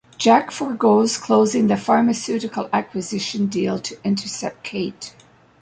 Jack forgoes closing the pharmaceutical acquisition deal to intercept Kate.